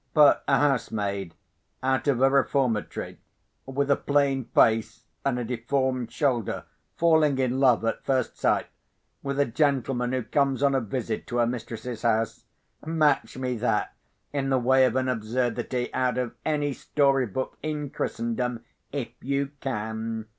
But a housemaid out of a reformatory, with a plain face and a deformed shoulder, falling in love, at first sight, with a gentleman who comes on a visit to her mistress's house, match me that, in the way of an absurdity, out of any story book in Christendom, if you can!